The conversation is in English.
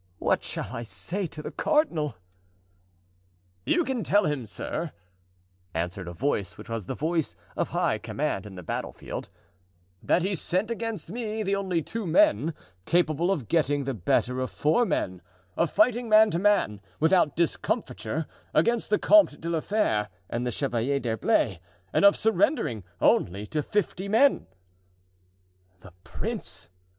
What shall I say to the cardinal?" "You can tell him, sir," answered a voice which was the voice of high command in the battle field, "that he sent against me the only two men capable of getting the better of four men; of fighting man to man, without discomfiture, against the Comte de la Fere and the Chevalier d'Herblay, and of surrendering only to fifty men! "The prince!"